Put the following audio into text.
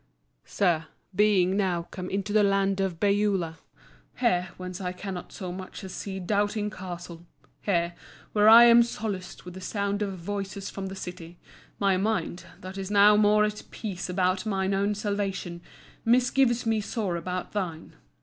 SIR,—Being now come into the Land of Beulah; here, whence I cannot so much as see Doubting Castle; here, where I am solaced with the sound of voices from the City,—my mind, that is now more at peace about mine own salvation, misgives me sore about thine.